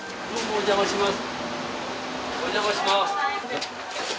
お邪魔します。